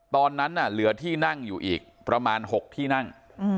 ตอนนั้นเหลือที่นั่งอยู่อีกประมาณ๖ที่นั่ง